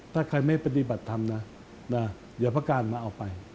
ถ้าใครไม่ปฏิบัติธรรมนะเดี๋ยวพระการมาเอาไป